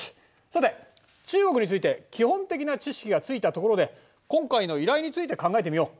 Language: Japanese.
さて中国について基本的な知識がついたところで今回の依頼について考えてみよう。